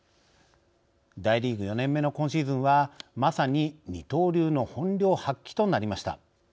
大リーグ４年目の今シーズンはまさに二刀流の本領発揮となりました。